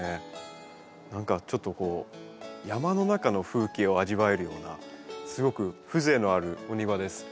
何かちょっとこう山の中の風景を味わえるようなすごく風情のあるお庭です。